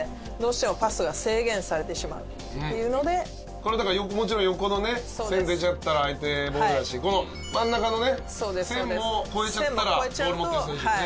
これだからもちろん横のね線出ちゃったら相手ボールだしこの真ん中のね線も越えちゃったらボール持ってる選手がね。